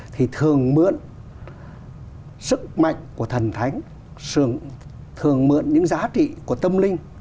thì thường mượn sức mạnh của thần thánh thường mượn những giá trị của tâm linh